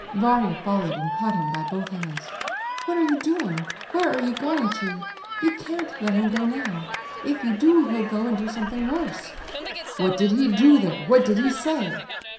Varia followed and caught him by both hands. "What are you doing? Where are you going to? You can't let him go now; if you do he'll go and do something worse." "What did he do there? What did he say?"